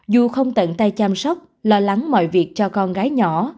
dù không tận tay chăm sóc lo lắng mọi việc cho con gái nhỏ